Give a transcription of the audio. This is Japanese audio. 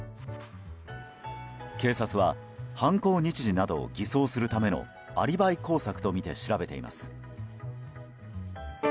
警察は犯行日時などを偽装するためのアリバイ工作とみて調べています。